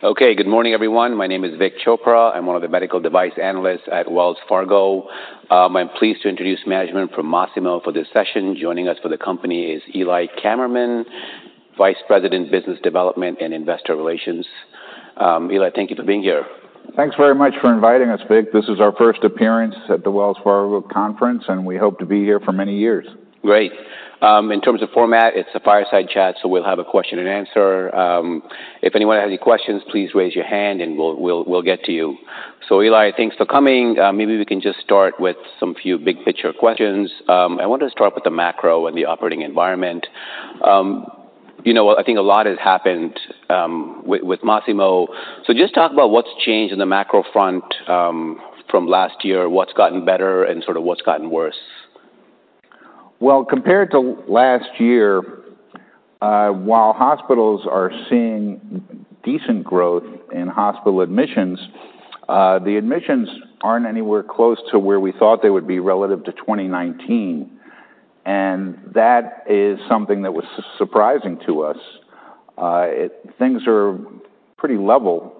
Okay, good morning everyone. My name is Vic Chopra. I'm one of the medical device analysts at Wells Fargo. I'm pleased to introduce management from Masimo for this session. Joining us for the company is Eli Kammerman, Vice President, Business Development and Investor Relations. Eli, thank you for being here. Thanks very much for inviting us, Vic. This is our first appearance at the Wells Fargo conference, and we hope to be here for many years. Great. In terms of format, it's a fireside chat, so we'll have a question and answer. If anyone has any questions, please raise your hand, and we'll get to you. So, Eli, thanks for coming. Maybe we can just start with some few big picture questions. I wanted to start with the macro and the operating environment. I think a lot has happened with Masimo. So just talk about what's changed in the macro front from last year, what's gotten better, and sort of what's gotten worse. Well, compared to last year, while hospitals are seeing decent growth in hospital admissions, the admissions aren't anywhere close to where we thought they would be relative to 2019. And that is something that was surprising to us. Things are pretty level,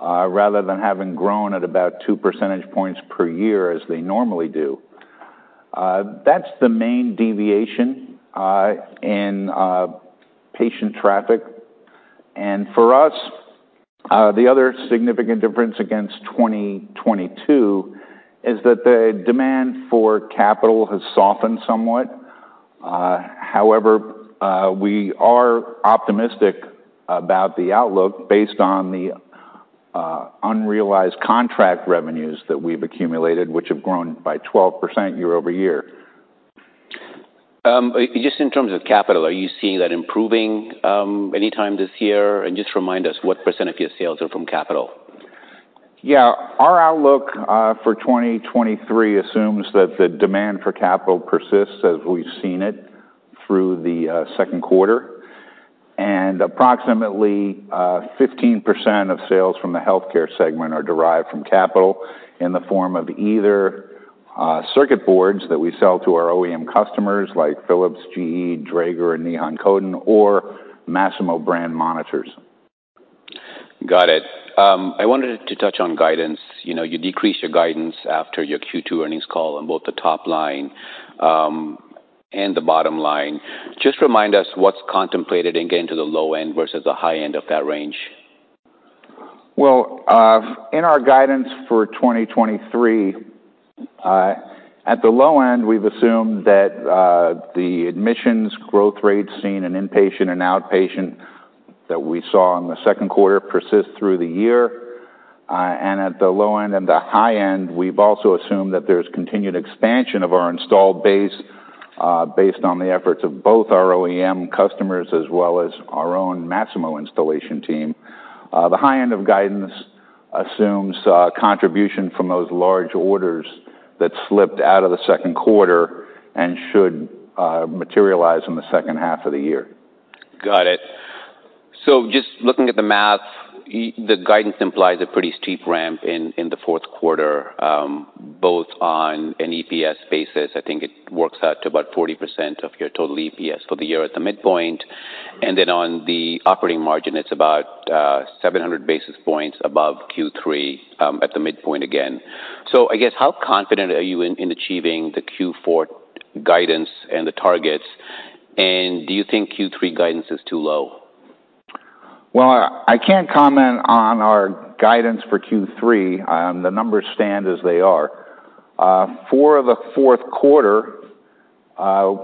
rather than having grown at about two percentage points per year as they normally do. That's the main deviation in patient traffic. And for us, the other significant difference against 2022 is that the demand for capital has softened somewhat. However, we are optimistic about the outlook based on the unrealized contract revenues that we've accumulated, which have grown by 12% year over year. Just in terms of capital, are you seeing that improving anytime this year? And just remind us, what % of your sales are from capital? Yeah, our outlook for 2023 assumes that the demand for capital persists as we've seen it through the second quarter, and approximately 15% of sales from the healthcare segment are derived from capital in the form of either circuit boards that we sell to our OEM customers like Philips, GE, Dräger, and Nihon Kohden, or Masimo brand monitors. Got it. I wanted to touch on guidance. You decreased your guidance after your Q2 earnings call on both the top line and the bottom line. Just remind us what's contemplated and get into the low end versus the high end of that range. In our guidance for 2023, at the low end, we've assumed that the admissions growth rate seen in inpatient and outpatient that we saw in the second quarter persists through the year. At the low end and the high end, we've also assumed that there's continued expansion of our installed base based on the efforts of both our OEM customers as well as our own Masimo installation team. The high end of guidance assumes contribution from those large orders that slipped out of the second quarter and should materialize in the second half of the year. Got it. So just looking at the math, the guidance implies a pretty steep ramp in the fourth quarter, both on an EPS basis. I think it works out to about 40% of your total EPS for the year at the midpoint. And then on the operating margin, it's about 700 basis points above Q3 at the midpoint again. So I guess, how confident are you in achieving the Q4 guidance and the targets? And do you think Q3 guidance is too low? I can't comment on our guidance for Q3. The numbers stand as they are. For the fourth quarter,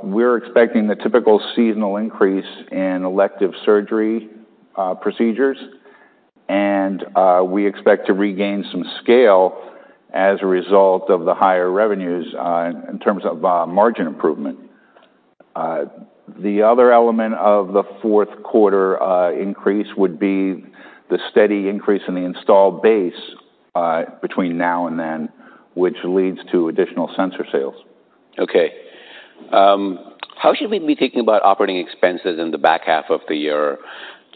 we're expecting the typical seasonal increase in elective surgery procedures. And we expect to regain some scale as a result of the higher revenues in terms of margin improvement. The other element of the fourth quarter increase would be the steady increase in the installed base between now and then, which leads to additional sensor sales. Okay. How should we be thinking about operating expenses in the back half of the year?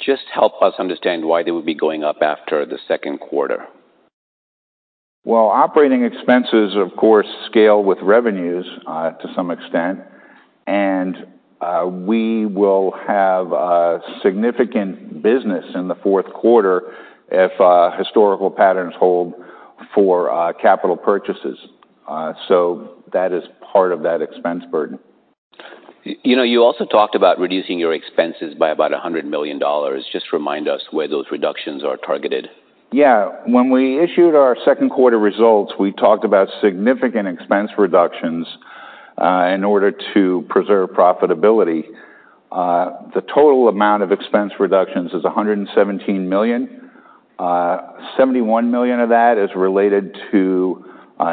Just help us understand why they would be going up after the second quarter. Operating expenses, of course, scale with revenues to some extent. We will have significant business in the fourth quarter if historical patterns hold for capital purchases. That is part of that expense burden. You also talked about reducing your expenses by about $100 million. Just remind us where those reductions are targeted? Yeah. When we issued our second quarter results, we talked about significant expense reductions in order to preserve profitability. The total amount of expense reductions is $117 million. $71 million of that is related to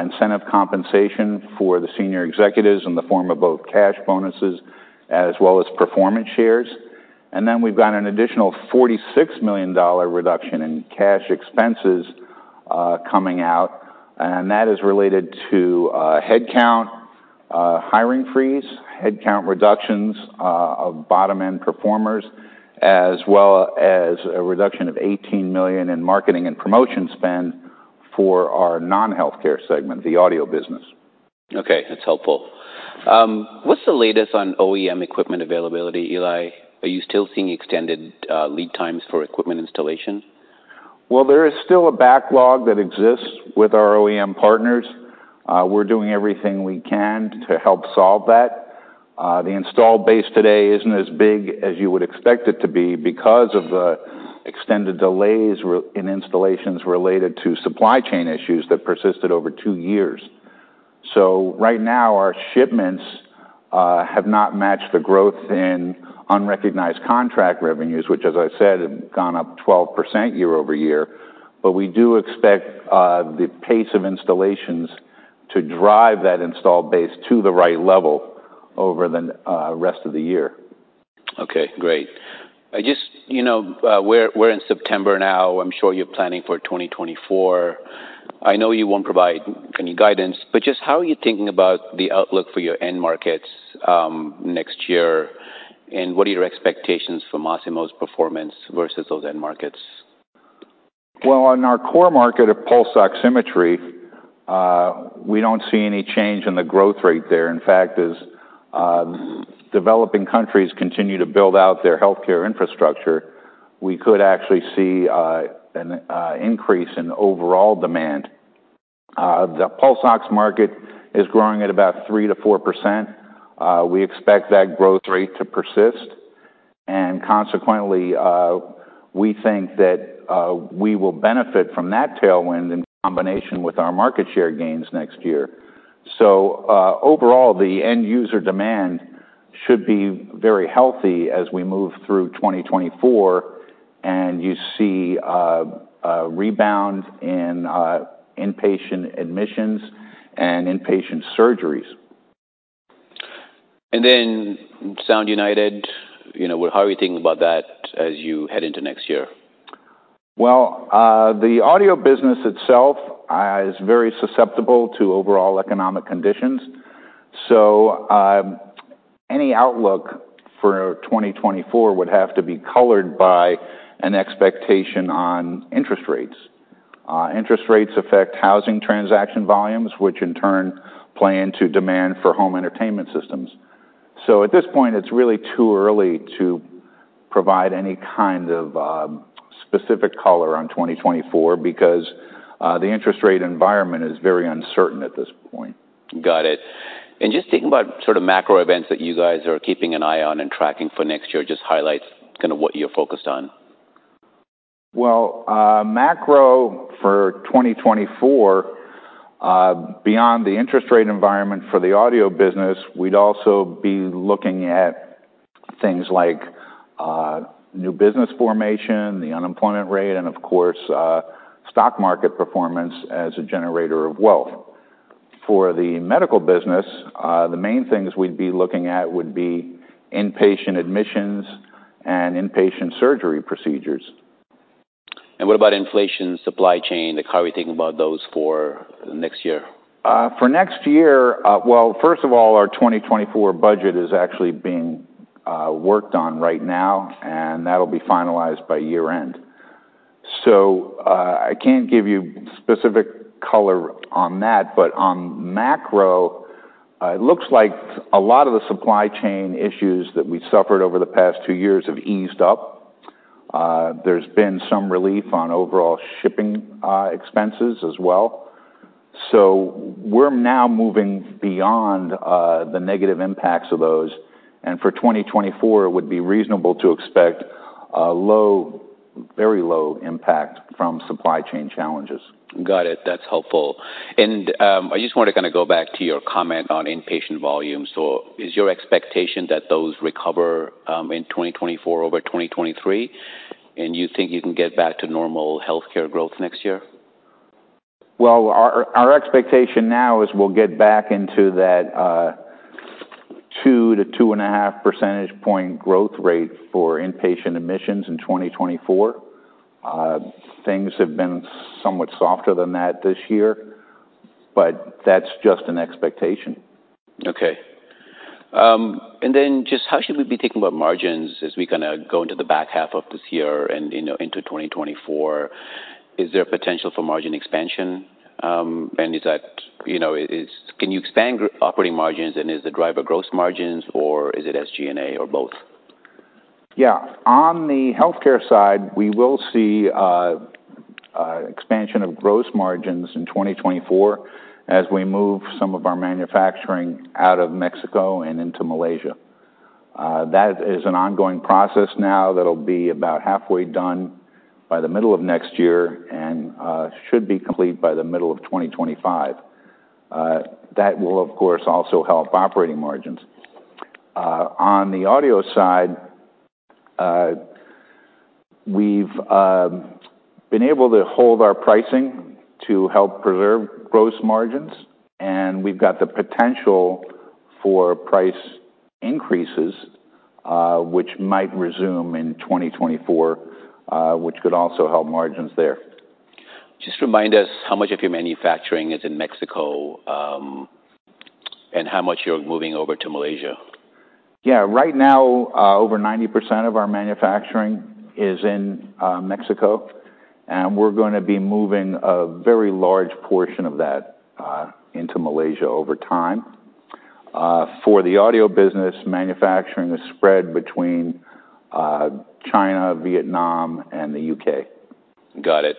incentive compensation for the senior executives in the form of both cash bonuses as well as performance shares. And then we've got an additional $46 million reduction in cash expenses coming out. And that is related to headcount, hiring freeze, headcount reductions of bottom end performers, as well as a reduction of $18 million in marketing and promotion spend for our non-healthcare segment, the audio business. Okay, that's helpful. What's the latest on OEM equipment availability, Eli? Are you still seeing extended lead times for equipment installation? There is still a backlog that exists with our OEM partners. We're doing everything we can to help solve that. The installed base today isn't as big as you would expect it to be because of the extended delays in installations related to supply chain issues that persisted over two years. Right now, our shipments have not matched the growth in unrecognized contract revenues, which, as I said, have gone up 12% year over year. We do expect the pace of installations to drive that installed base to the right level over the rest of the year. Okay, great. Just, we're in September now. I'm sure you're planning for 2024. I know you won't provide any guidance, but just how are you thinking about the outlook for your end markets next year, and what are your expectations for Masimo's performance versus those end markets? On our core market of Pulse Oximetry, we don't see any change in the growth rate there. In fact, as developing countries continue to build out their healthcare infrastructure, we could actually see an increase in overall demand. The Pulse Ox market is growing at about 3%-4%. We expect that growth rate to persist. Consequently, we think that we will benefit from that tailwind in combination with our market share gains next year. Overall, the end user demand should be very healthy as we move through 2024. You see a rebound in inpatient admissions and inpatient surgeries. Sound United, how are you thinking about that as you head into next year? The audio business itself is very susceptible to overall economic conditions. So any outlook for 2024 would have to be colored by an expectation on interest rates. Interest rates affect housing transaction volumes, which in turn play into demand for home entertainment systems. So at this point, it's really too early to provide any kind of specific color on 2024 because the interest rate environment is very uncertain at this point. Got it. And just thinking about sort of macro events that you guys are keeping an eye on and tracking for next year, just highlights kind of what you're focused on. Macro for 2024, beyond the interest rate environment for the audio business, we'd also be looking at things like new business formation, the unemployment rate, and of course, stock market performance as a generator of wealth. For the medical business, the main things we'd be looking at would be inpatient admissions and inpatient surgery procedures. What about inflation, supply chain? How are we thinking about those for next year? For next year, well, first of all, our 2024 budget is actually being worked on right now, and that'll be finalized by year-end. So I can't give you specific color on that, but on macro, it looks like a lot of the supply chain issues that we suffered over the past two years have eased up. There's been some relief on overall shipping expenses as well. So we're now moving beyond the negative impacts of those. And for 2024, it would be reasonable to expect a very low impact from supply chain challenges. Got it. That's helpful. And I just want to kind of go back to your comment on inpatient volumes. So is your expectation that those recover in 2024 over 2023? And you think you can get back to normal healthcare growth next year? Our expectation now is we'll get back into that 2%-2.5% growth rate for inpatient admissions in 2024. Things have been somewhat softer than that this year, but that's just an expectation. Okay. And then just how should we be thinking about margins as we kind of go into the back half of this year and into 2024? Is there potential for margin expansion? And can you expand operating margins? And is the driver gross margins, or is it SG&A or both? Yeah. On the healthcare side, we will see expansion of gross margins in 2024 as we move some of our manufacturing out of Mexico and into Malaysia. That is an ongoing process now that'll be about halfway done by the middle of next year and should be complete by the middle of 2025. That will, of course, also help operating margins. On the audio side, we've been able to hold our pricing to help preserve gross margins. And we've got the potential for price increases, which might resume in 2024, which could also help margins there. Just remind us how much of your manufacturing is in Mexico and how much you're moving over to Malaysia? Yeah. Right now, over 90% of our manufacturing is in Mexico. And we're going to be moving a very large portion of that into Malaysia over time. For the audio business, manufacturing is spread between China, Vietnam, and the UK. Got it.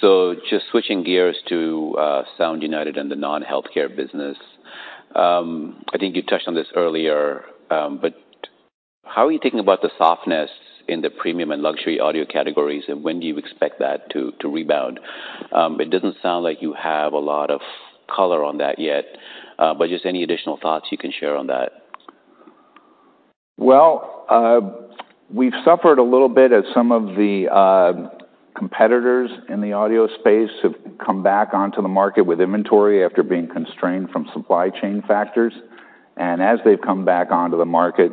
So just switching gears to Sound United and the non-healthcare business. I think you touched on this earlier, but how are you thinking about the softness in the premium and luxury audio categories? And when do you expect that to rebound? It doesn't sound like you have a lot of color on that yet, but just any additional thoughts you can share on that? We've suffered a little bit as some of the competitors in the audio space have come back onto the market with inventory after being constrained from supply chain factors. As they've come back onto the market,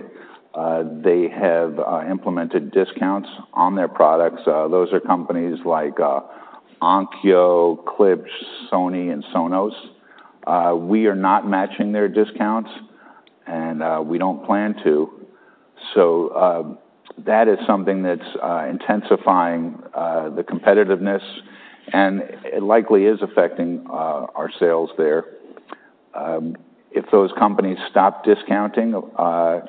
they have implemented discounts on their products. Those are companies like Onkyo, Klipsch, Sony, and Sonos. We are not matching their discounts, and we don't plan to. That is something that's intensifying the competitiveness and likely is affecting our sales there. If those companies stop discounting, of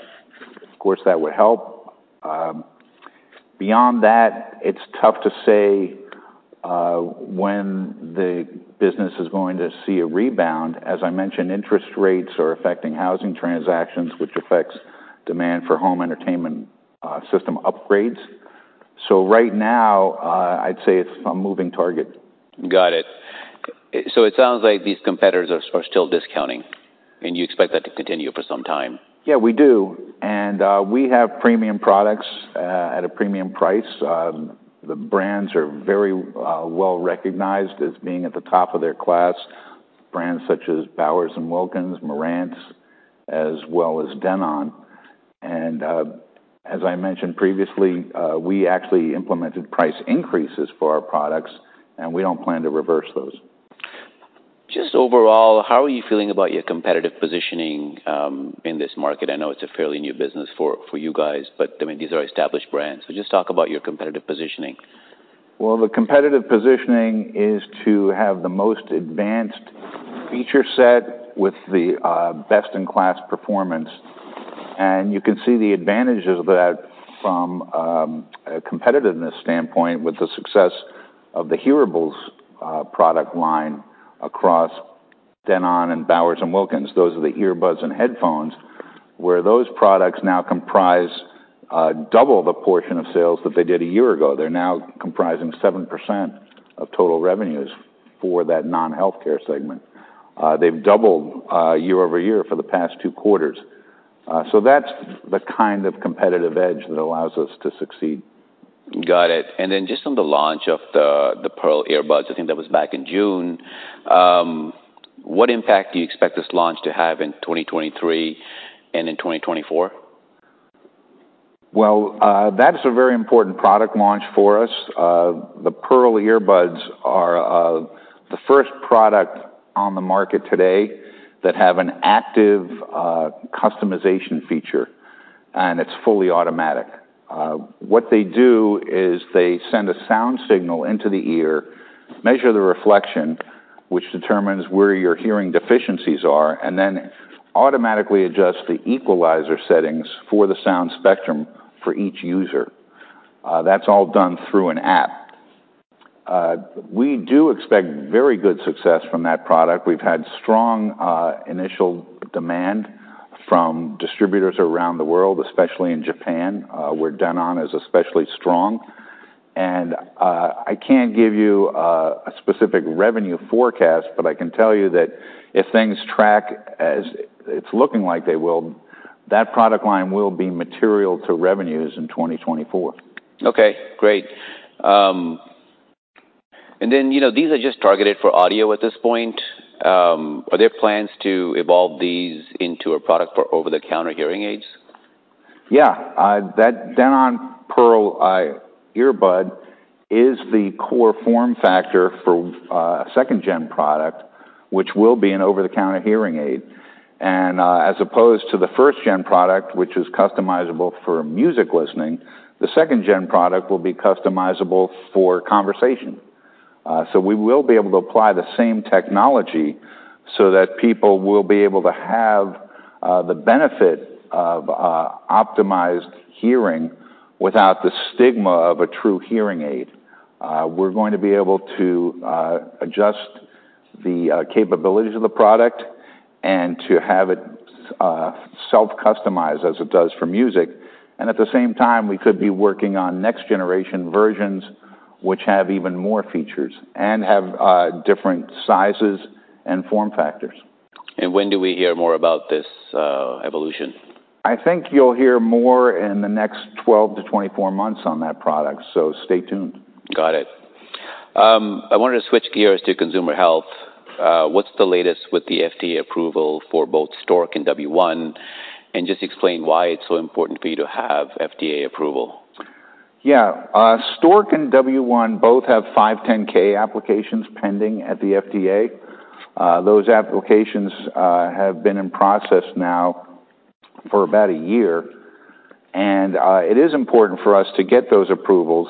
course, that would help. Beyond that, it's tough to say when the business is going to see a rebound. As I mentioned, interest rates are affecting housing transactions, which affects demand for home entertainment system upgrades. Right now, I'd say it's a moving target. Got it. So it sounds like these competitors are still discounting, and you expect that to continue for some time. Yeah, we do. And we have premium products at a premium price. The brands are very well recognized as being at the top of their class, brands such as Bowers & Wilkins, Marantz, as well as Denon. And as I mentioned previously, we actually implemented price increases for our products, and we don't plan to reverse those. Just overall, how are you feeling about your competitive positioning in this market? I know it's a fairly new business for you guys, but I mean, these are established brands. So just talk about your competitive positioning. The competitive positioning is to have the most advanced feature set with the best-in-class performance. You can see the advantages of that from a competitiveness standpoint with the success of the hearables product line across Denon and Bowers & Wilkins. Those are the earbuds and headphones where those products now comprise double the portion of sales that they did a year ago. They're now comprising 7% of total revenues for that non-healthcare segment. They've doubled year over year for the past two quarters. That's the kind of competitive edge that allows us to succeed. Got it. And then just on the launch of the PerL earbuds, I think that was back in June. What impact do you expect this launch to have in 2023 and in 2024? That's a very important product launch for us. The PerL earbuds are the first product on the market today that have an active customization feature, and it's fully automatic. What they do is they send a sound signal into the ear, measure the reflection, which determines where your hearing deficiencies are, and then automatically adjust the equalizer settings for the sound spectrum for each user. That's all done through an app. We do expect very good success from that product. We've had strong initial demand from distributors around the world, especially in Japan, where Denon is especially strong. I can't give you a specific revenue forecast, but I can tell you that if things track as it's looking like they will, that product line will be material to revenues in 2024. Okay, great. And then these are just targeted for audio at this point. Are there plans to evolve these into a product for over-the-counter hearing aids? Yeah. That Denon PerL earbud is the core form factor for a second-gen product, which will be an over-the-counter hearing aid. And as opposed to the first-gen product, which is customizable for music listening, the second-gen product will be customizable for conversation. So we will be able to apply the same technology so that people will be able to have the benefit of optimized hearing without the stigma of a true hearing aid. We're going to be able to adjust the capabilities of the product and to have it self-customized as it does for music. And at the same time, we could be working on next-generation versions, which have even more features and have different sizes and form factors. When do we hear more about this evolution? I think you'll hear more in the next 12-24 months on that product. So stay tuned. Got it. I wanted to switch gears to consumer health. What's the latest with the FDA approval for both Stork and W1? And just explain why it's so important for you to have FDA approval. Yeah. Stork and W1 both have 510(k) applications pending at the FDA. Those applications have been in process now for about a year. And it is important for us to get those approvals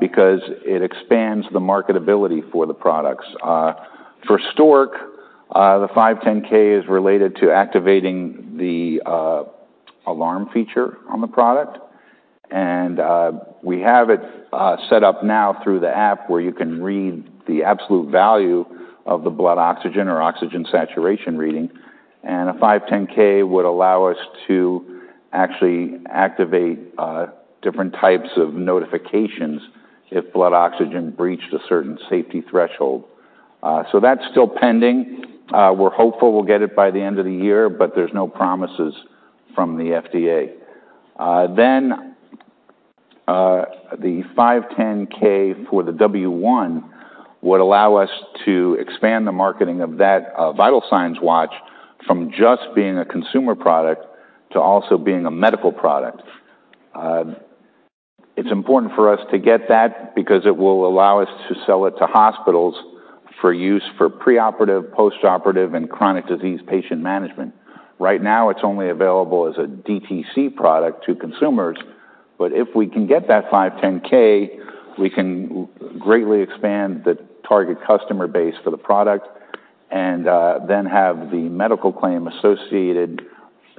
because it expands the marketability for the products. For Stork, the 510(k) is related to activating the alarm feature on the product. And we have it set up now through the app where you can read the absolute value of the blood oxygen or oxygen saturation reading. And a 510(k) would allow us to actually activate different types of notifications if blood oxygen breached a certain safety threshold. So that's still pending. We're hopeful we'll get it by the end of the year, but there's no promises from the FDA. Then the 510(k) for the W1 would allow us to expand the marketing of that vital signs watch from just being a consumer product to also being a medical product. It's important for us to get that because it will allow us to sell it to hospitals for use for preoperative, postoperative, and chronic disease patient management. Right now, it's only available as a DTC product to consumers, but if we can get that 510(k), we can greatly expand the target customer base for the product and then have the medical claim associated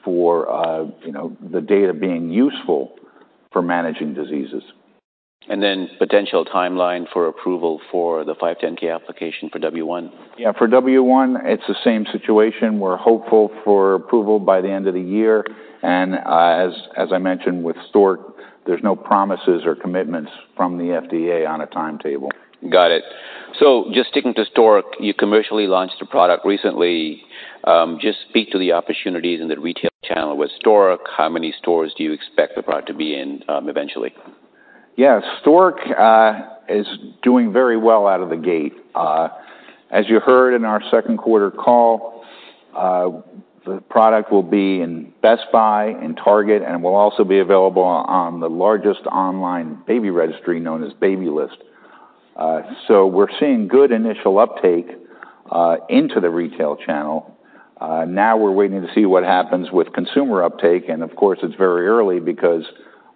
for the data being useful for managing diseases. And then potential timeline for approval for the 510(k) application for W1? Yeah. For W1, it's the same situation. We're hopeful for approval by the end of the year. And as I mentioned with Stork, there's no promises or commitments from the FDA on a timetable. Got it. So just sticking to Stork, you commercially launched the product recently. Just speak to the opportunities in the retail channel with Stork. How many stores do you expect the product to be in eventually? Yeah. Stork is doing very well out of the gate. As you heard in our second quarter call, the product will be in Best Buy, in Target, and will also be available on the largest online baby registry known as Babylist. So we're seeing good initial uptake into the retail channel. Now we're waiting to see what happens with consumer uptake. And of course, it's very early because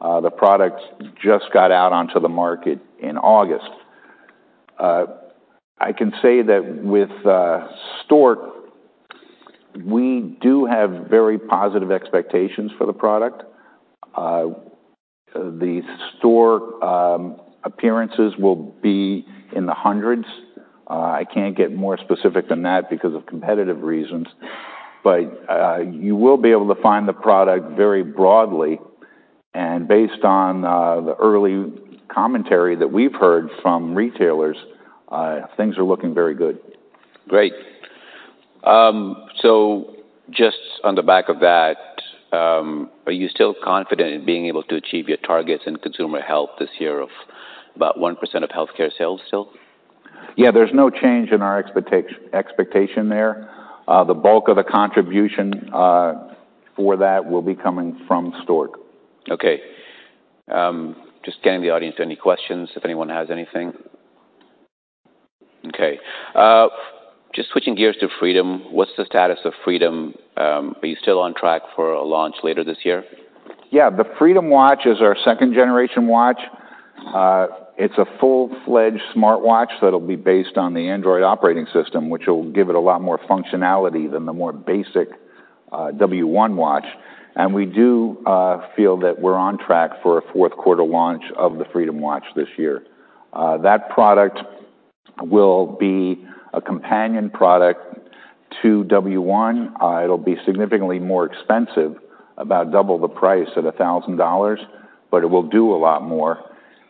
the product just got out onto the market in August. I can say that with Stork, we do have very positive expectations for the product. The Stork appearances will be in the hundreds. I can't get more specific than that because of competitive reasons. But you will be able to find the product very broadly. And based on the early commentary that we've heard from retailers, things are looking very good. Great. So just on the back of that, are you still confident in being able to achieve your targets in consumer health this year of about 1% of healthcare sales still? Yeah. There's no change in our expectation there. The bulk of the contribution for that will be coming from Stork. Okay. Just getting the audience any questions if anyone has anything. Okay. Just switching gears to Freedom. What's the status of Freedom? Are you still on track for a launch later this year? Yeah. The Freedom Watch is our second-generation watch. It's a full-fledged smartwatch that'll be based on the Android operating system, which will give it a lot more functionality than the more basic W1 watch. And we do feel that we're on track for a fourth quarter launch of the Freedom Watch this year. That product will be a companion product to W1. It'll be significantly more expensive, about double the price at $1,000, but it will do a lot more.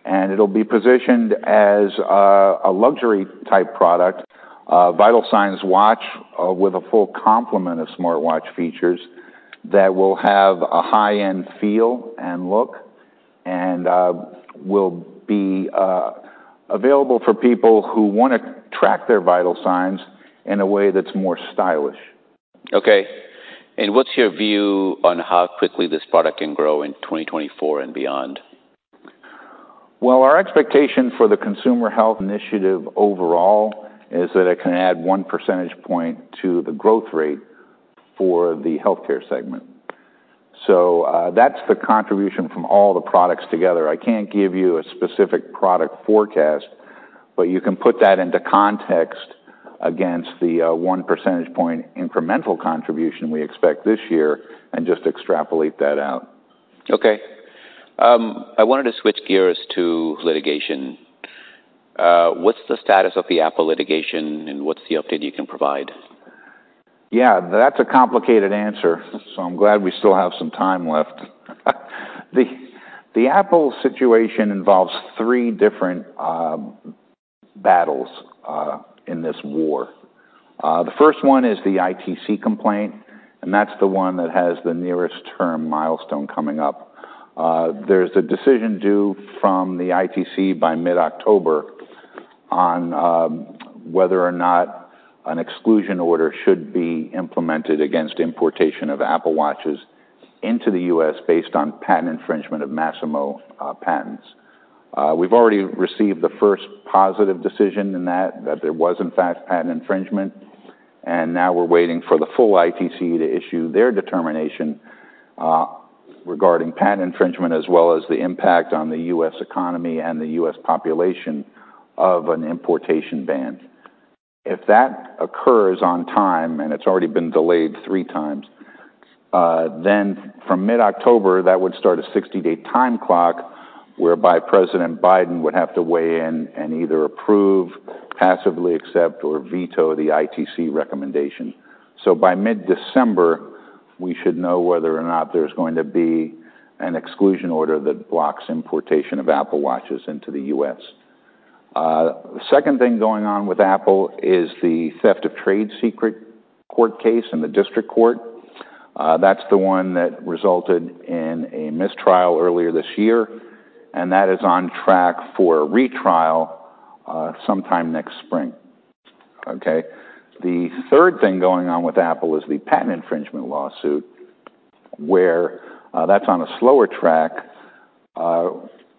And it'll be positioned as a luxury-type product, a vital signs watch with a full complement of smartwatch features that will have a high-end feel and look and will be available for people who want to track their vital signs in a way that's more stylish. Okay. And what's your view on how quickly this product can grow in 2024 and beyond? Our expectation for the consumer health initiative overall is that it can add one percentage point to the growth rate for the healthcare segment. That's the contribution from all the products together. I can't give you a specific product forecast, but you can put that into context against the one percentage point incremental contribution we expect this year and just extrapolate that out. Okay. I wanted to switch gears to litigation. What's the status of the Apple litigation, and what's the update you can provide? Yeah. That's a complicated answer, so I'm glad we still have some time left. The Apple situation involves three different battles in this war. The first one is the ITC complaint, and that's the one that has the nearest term milestone coming up. There's a decision due from the ITC by mid-October on whether or not an exclusion order should be implemented against importation of Apple watches into the U.S. based on patent infringement of Masimo patents. We've already received the first positive decision in that, that there was, in fact, patent infringement. And now we're waiting for the full ITC to issue their determination regarding patent infringement as well as the impact on the U.S. economy and the U.S. population of an importation ban. If that occurs on time, and it's already been delayed three times, then from mid-October, that would start a 60-day time clock whereby President Biden would have to weigh in and either approve, passively accept, or veto the ITC recommendation. So by mid-December, we should know whether or not there's going to be an exclusion order that blocks importation of Apple watches into the U.S. The second thing going on with Apple is the theft of trade secret court case in the district court. That's the one that resulted in a mistrial earlier this year. And that is on track for retrial sometime next spring. Okay. The third thing going on with Apple is the patent infringement lawsuit where that's on a slower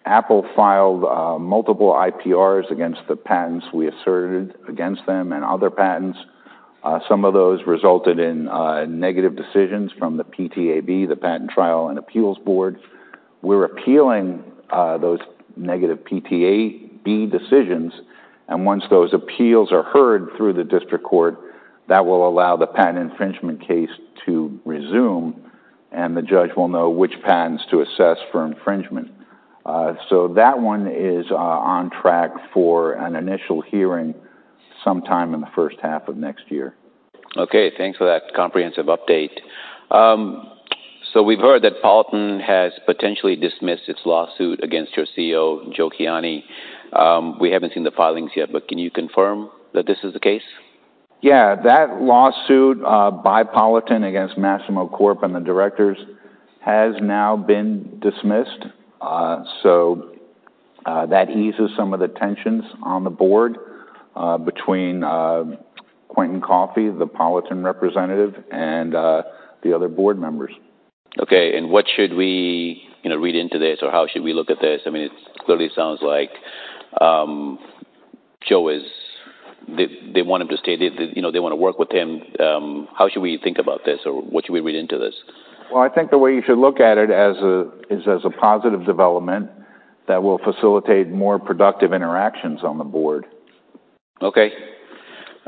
track. Apple filed multiple IPRs against the patents we asserted against them and other patents. Some of those resulted in negative decisions from the PTAB, the Patent Trial and Appeal Board. We're appealing those negative PTAB decisions. And once those appeals are heard through the district court, that will allow the patent infringement case to resume, and the judge will know which patents to assess for infringement. So that one is on track for an initial hearing sometime in the first half of next year. Okay. Thanks for that comprehensive update. So we've heard that Polyton has potentially dismissed its lawsuit against your CEO, Joe Kiani. We haven't seen the filings yet, but can you confirm that this is the case? Yeah. That lawsuit by Polyton against Masimo Corp and the directors has now been dismissed. So that eases some of the tensions on the board between Quentin Koffey, the Polyton representative, and the other board members. Okay, and what should we read into this, or how should we look at this? I mean, it clearly sounds like Joe is they want him to stay. They want to work with him. How should we think about this, or what should we read into this? I think the way you should look at it is as a positive development that will facilitate more productive interactions on the board. Okay.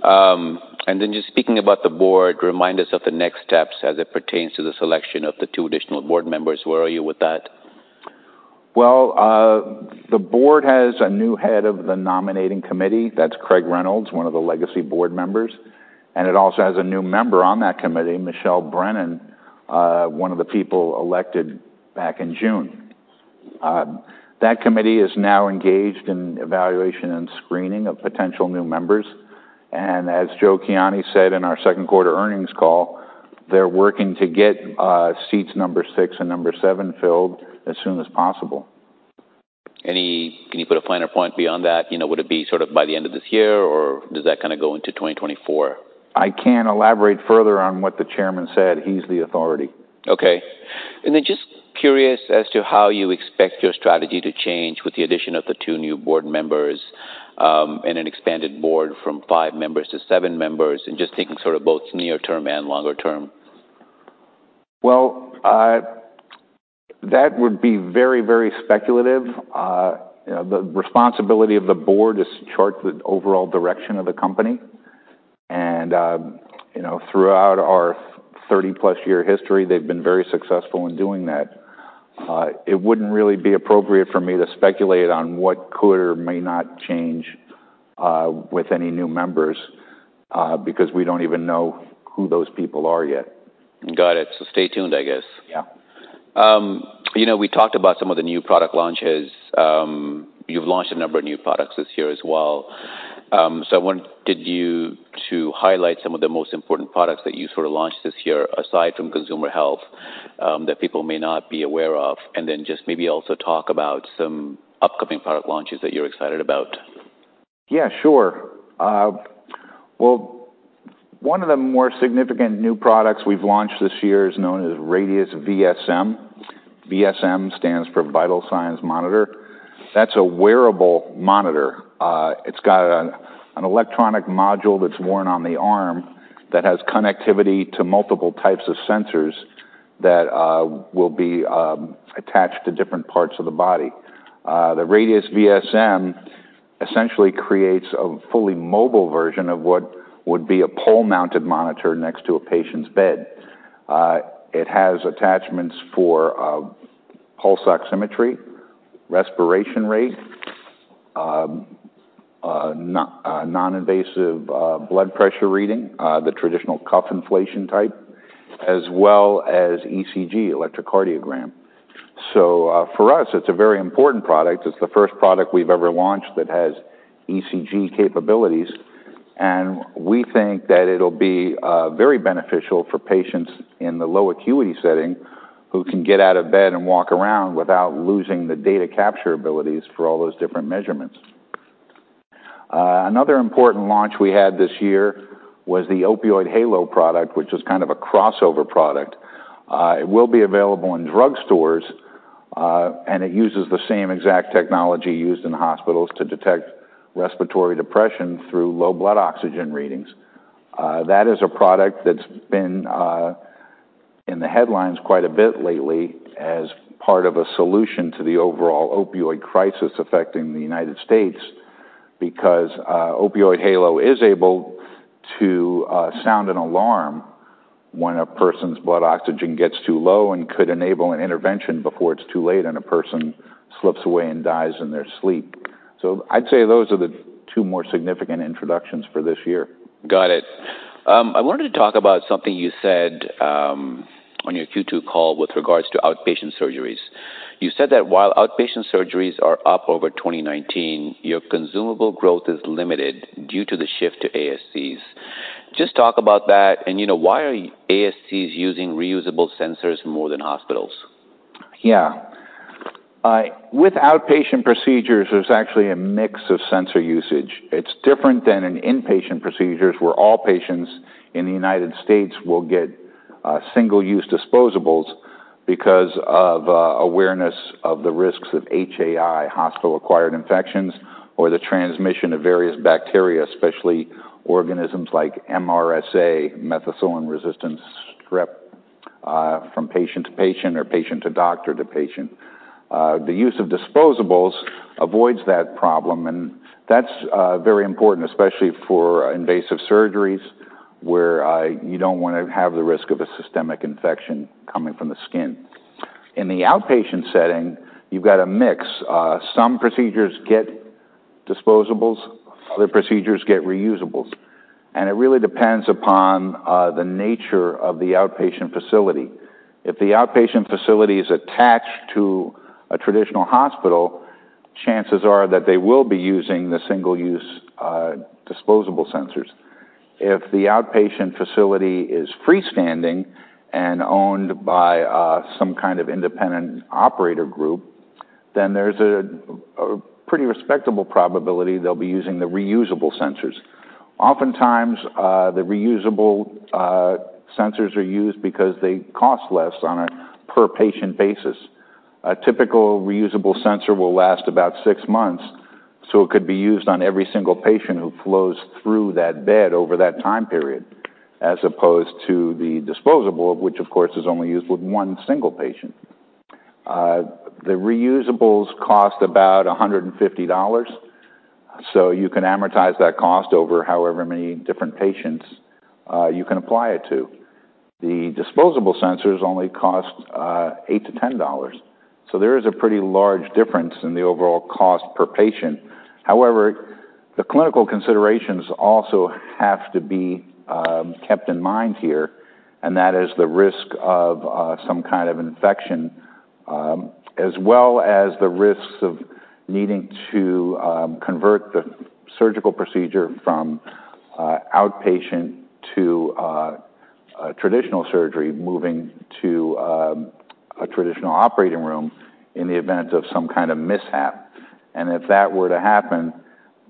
And then just speaking about the board, remind us of the next steps as it pertains to the selection of the two additional board members. Where are you with that? The board has a new head of the nominating committee. That's Craig Reynolds, one of the legacy board members. It also has a new member on that committee, Michelle Brennan, one of the people elected back in June. That committee is now engaged in evaluation and screening of potential new members. As Joe Kiani said in our second quarter earnings call, they're working to get seats number six and number seven filled as soon as possible. Can you put a finer point beyond that? Would it be sort of by the end of this year, or does that kind of go into 2024? I can't elaborate further on what the chairman said. He's the authority. Okay, and then just curious as to how you expect your strategy to change with the addition of the two new board members and an expanded board from five members to seven members, and just thinking sort of both near-term and longer-term? That would be very, very speculative. The responsibility of the board is to chart the overall direction of the company. Throughout our 30-plus year history, they've been very successful in doing that. It wouldn't really be appropriate for me to speculate on what could or may not change with any new members because we don't even know who those people are yet. Got it. So stay tuned, I guess. Yeah. We talked about some of the new product launches. You've launched a number of new products this year as well, so I wanted to highlight some of the most important products that you sort of launched this year aside from consumer health that people may not be aware of, and then just maybe also talk about some upcoming product launches that you're excited about. Yeah. Sure. Well, one of the more significant new products we've launched this year is known as Radius VSM. VSM stands for Vital Signs Monitor. That's a wearable monitor. It's got an electronic module that's worn on the arm that has connectivity to multiple types of sensors that will be attached to different parts of the body. The Radius VSM essentially creates a fully mobile version of what would be a pole-mounted monitor next to a patient's bed. It has attachments for pulse oximetry, respiration rate, non-invasive blood pressure reading, the traditional cuff inflation type, as well as ECG, electrocardiogram. So for us, it's a very important product. It's the first product we've ever launched that has ECG capabilities. We think that it'll be very beneficial for patients in the low acuity setting who can get out of bed and walk around without losing the data capture abilities for all those different measurements. Another important launch we had this year was the Opioid Halo product, which is kind of a crossover product. It will be available in drug stores, and it uses the same exact technology used in hospitals to detect respiratory depression through low blood oxygen readings. That is a product that's been in the headlines quite a bit lately as part of a solution to the overall opioid crisis affecting the United States because Opioid Halo is able to sound an alarm when a person's blood oxygen gets too low and could enable an intervention before it's too late and a person slips away and dies in their sleep. So I'd say those are the two more significant introductions for this year. Got it. I wanted to talk about something you said on your Q2 call with regards to outpatient surgeries. You said that while outpatient surgeries are up over 2019, your consumable growth is limited due to the shift to ASCs. Just talk about that, and why are ASCs using reusable sensors more than hospitals? Yeah. With outpatient procedures, there's actually a mix of sensor usage. It's different than in inpatient procedures where all patients in the United States will get single-use disposables because of awareness of the risks of HAI, hospital-acquired infections, or the transmission of various bacteria, especially organisms like MRSA, methicillin-resistant Staphylococcus aureus, from patient to patient or patient to doctor to patient. The use of disposables avoids that problem. And that's very important, especially for invasive surgeries where you don't want to have the risk of a systemic infection coming from the skin. In the outpatient setting, you've got a mix. Some procedures get disposables. Other procedures get reusables. And it really depends upon the nature of the outpatient facility. If the outpatient facility is attached to a traditional hospital, chances are that they will be using the single-use disposable sensors. If the outpatient facility is freestanding and owned by some kind of independent operator group, then there's a pretty respectable probability they'll be using the reusable sensors. Oftentimes, the reusable sensors are used because they cost less on a per-patient basis. A typical reusable sensor will last about six months, so it could be used on every single patient who flows through that bed over that time period, as opposed to the disposable, which, of course, is only used with one single patient. The reusables cost about $150. So you can amortize that cost over however many different patients you can apply it to. The disposable sensors only cost $8-$10. So there is a pretty large difference in the overall cost per patient. However, the clinical considerations also have to be kept in mind here, and that is the risk of some kind of infection as well as the risks of needing to convert the surgical procedure from outpatient to traditional surgery, moving to a traditional operating room in the event of some kind of mishap. And if that were to happen,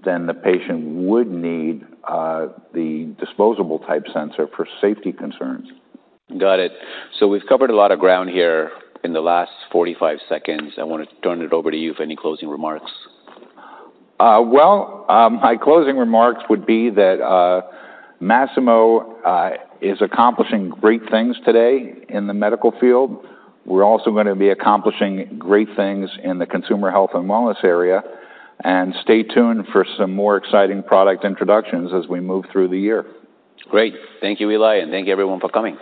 then the patient would need the disposable-type sensor for safety concerns. Got it. So we've covered a lot of ground here in the last 45 seconds. I want to turn it over to you for any closing remarks. My closing remarks would be that Masimo is accomplishing great things today in the medical field. We're also going to be accomplishing great things in the consumer health and wellness area. Stay tuned for some more exciting product introductions as we move through the year. Great. Thank you, Eli, and thank you, everyone, for coming.